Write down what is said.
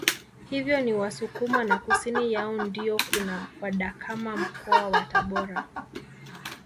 Hivyo ni Wasukuma na kusini yao ndio kuna wadakama Mkoa wa Tabora